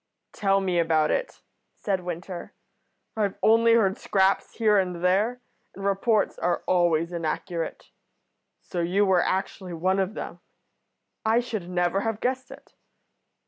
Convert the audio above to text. "Tell me about it," said Winter. "I've only heard scraps here and there, and reports are always inaccurate. So you were actually one of them. I should never have guessed it."